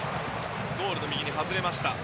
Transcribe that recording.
ゴールの右に外れました。